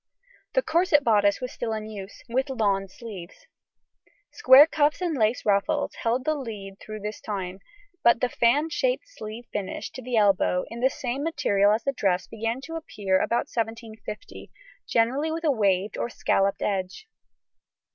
The corset bodice was still in use, with lawn sleeves: square cuffs and lace ruffles held the lead throughout this time, but the fan shaped sleeve finish to the elbow, in the same material as the dress, began to appear about 1750, generally with a waved or scalloped edge.